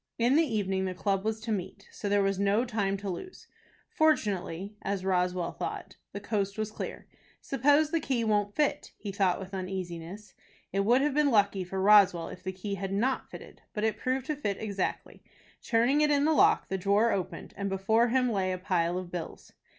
In the evening the club was to meet, so there was no time to lose. Fortunately, as Roswell thought, the coast was clear. "Suppose the key won't fit?" he thought with uneasiness. It would have been lucky for Roswell if the key had not fitted. But it proved to fit exactly. Turning it in the lock, the drawer opened, and before him lay a pile of bills.